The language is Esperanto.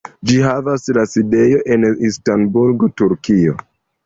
Ĝi havas la sidejon en Istanbulo, Turkio.